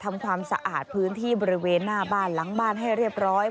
ทำความสะอาดพื้นที่บริเวณหน้าบ้านหลังบ้านให้เรียบร้อย